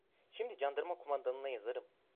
Şimdi candarma kumandanına yazarım.